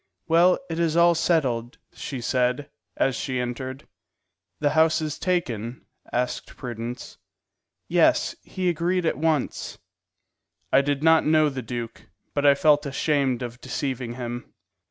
"Well, it is all settled," she said, as she entered. "The house is taken?" asked Prudence. "Yes; he agreed at once." I did not know the duke, but I felt ashamed of deceiving him.